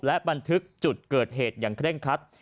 และบันทึกจุดเกิดเหตุอย่างเคร่งคัด